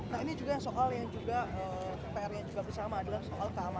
nah ini juga soal yang juga pr nya juga bersama adalah soal keamanan